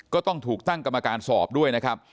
ก็ต้องถูกตั้งกรรมการสอบด้วยนะครับ